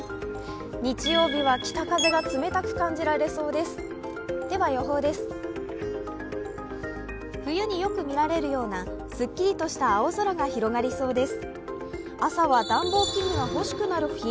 日曜日は北風が冷たく感じられそうです。